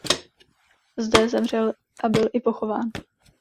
Zde zemřel a byl i pochován.